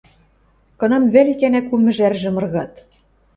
Кынам вӓл икӓнӓк у мӹжӓржӹм ыргат.